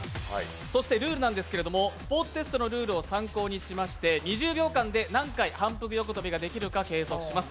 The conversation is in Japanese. そしてルールなんですけれども、スポーツテストのルールを参考に２０秒間で何回反復横跳びができるか計測します。